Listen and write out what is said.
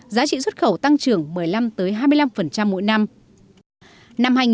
giá trị xuất khẩu tăng trưởng một mươi năm hai mươi năm mỗi năm